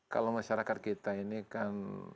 kalau masyarakat kita ini kan